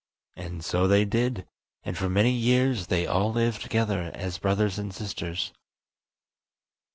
And so they did, and for many years they all lived together as brothers and sisters.